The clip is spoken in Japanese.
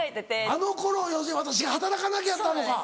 あの頃要するに私が働かなきゃ！だったのか。